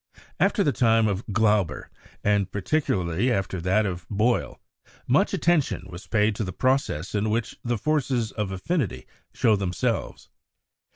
After the time of Glauber, and particularly after that of Boyle, much attention was paid to the processes in which the forces of affinity show themselves.